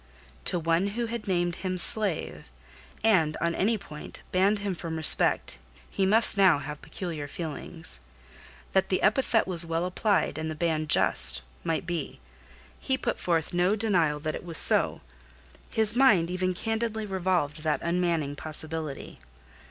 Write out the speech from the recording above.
To one who had named him "slave," and, on any point, banned him from respect, he must now have peculiar feelings. That the epithet was well applied, and the ban just, might be; he put forth no denial that it was so: his mind even candidly revolved that unmanning possibility.